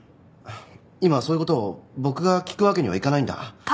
今そういう事を僕が聞くわけにはいかないんだ。